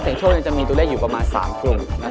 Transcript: โชคจะมีตัวเลขอยู่ประมาณ๓กลุ่ม